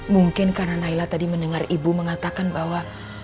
mungkin karena naila tadi mendengar ibu mengatakan bahwa